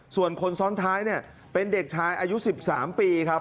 ส่วนคนซ้อนท้ายเป็นเด็กชายอายุ๑๓ปี